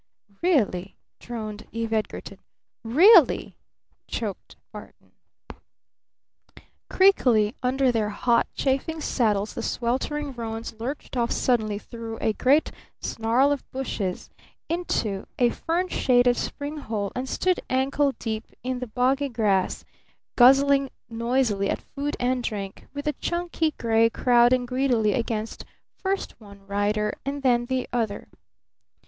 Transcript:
"Really?" droned Eve Edgarton. "Really!" choked Barton. Creakily under their hot, chafing saddles the sweltering roans lurched off suddenly through a great snarl of bushes into a fern shaded spring hole and stood ankle deep in the boggy grass, guzzling noisily at food and drink, with the chunky gray crowding greedily against first one rider and then the other.